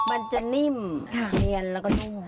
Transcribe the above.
มันจะนิ่มเนียนแล้วก็นุ่ม